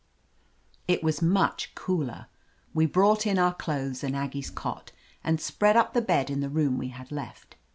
It was much cooler. We brought in our clothes and Aggie's cot, and spread up the bed in the room we had left.